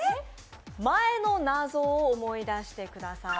前の謎を思い出してください。